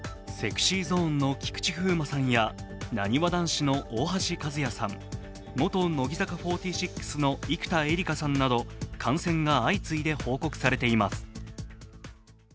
ＳｅｘｙＺｏｎｅの菊池風磨さんやなにわ男子の大橋和也さん、元乃木坂４６の生田絵梨花さんなど、感染が相次いで報告されています。